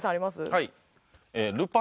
はい。